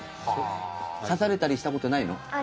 刺されたりしたことないの？